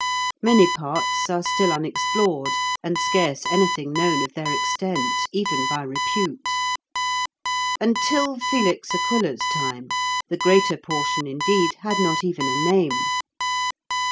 Many parts are still unexplored, and scarce anything known of their extent, even by repute. Until Felix Aquila's time, the greater portion, indeed, had not even a name.